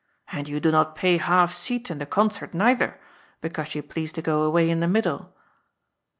And you do not pay half seat in the concert neither, because you please to go away in the middle."